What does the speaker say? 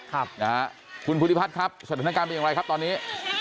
ทุนพุธิพัฒน์ครับสถานการณ์เป็นยังไงครับตอนนี้